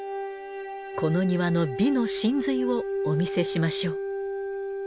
この庭の美の真髄をお見せしましょう。